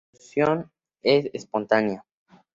Su resolución es espontánea.